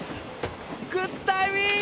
グッドタイミング！